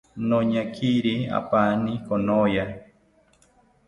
Noñakiri apaani konoya